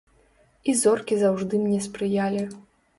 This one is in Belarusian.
І зоркі заўжды мне спрыялі.